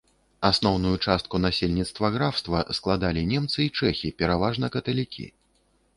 Асноўную частку насельніцтва графства складалі немцы і чэхі, пераважна каталікі.